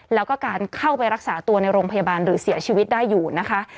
แล้วก็การเข้าไปรักษาตัวในโรงพยาบาลหรือเสียชีวิตได้อยู่นะคะ